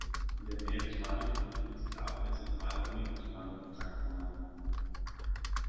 In der Nähe des Bahnhofs befindet sich auch der Zentrale Omnibusbahnhof Zakopane.